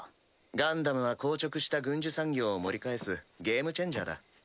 ガンダムは硬直した軍需産業を盛り返すゲームチェンジャーだ。